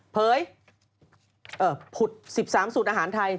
เผยผุด๑๓สูตรอาหารไทย